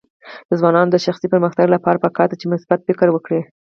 د ځوانانو د شخصي پرمختګ لپاره پکار ده چې مثبت فکر وکړي.